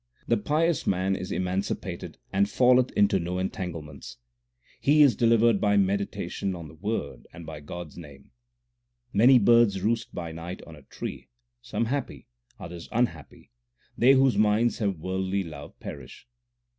The pious man is emancipated and falleth into no en tanglements : He is delivered by meditation on the Word and by God s name. Many birds roost by night on a tree Some happy, others unhappy they whose minds have worldly love perish.